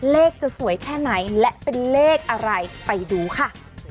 จะสวยแค่ไหนและเป็นเลขอะไรไปดูค่ะ